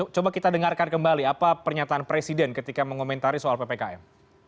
coba kita dengarkan kembali apa pernyataan presiden ketika mengomentari soal ppkm